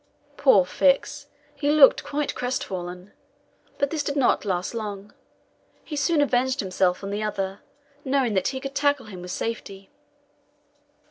Poor Fix! he looked quite crestfallen. But this did not last long; he soon avenged himself on the other, knowing that he could tackle him with safety.